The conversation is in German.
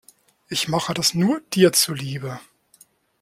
Ich mache das nur dir zuliebe.